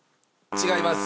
違います。